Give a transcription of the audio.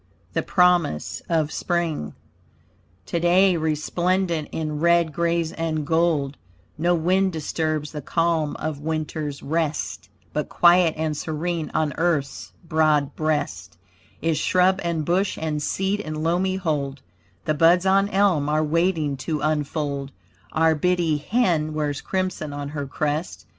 THE PROMISE OF SPRING Today resplendent in red, grays and gold, No wind disturbs the calm of Winter's rest, But quiet and serene on earth's broad breast Is shrub and bush and seed in loamy hold; The buds on elm are waiting to unfold, Our biddie hen wears crimson on her crest.